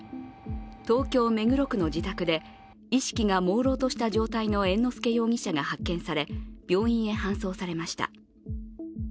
東京・目黒区の自宅で意識がもうろうとした状態の猿之助容疑者が発見され、病院へ搬送されました。